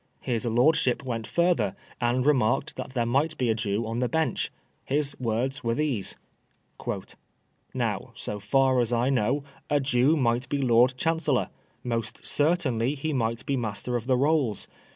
His lordship went further, and remarked that there might be a Jew on the bench. His words were these :" Now, so far as I know, a Jew might be Lord Chancellor ; most certainly he might be Master of Ihe Rolls.